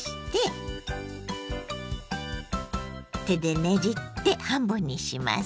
手でねじって半分にします。